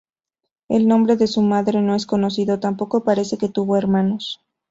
El nombre de su madre no es conocido, tampoco parece que tuvo hermanos.